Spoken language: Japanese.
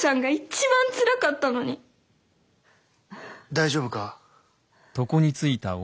大丈夫か？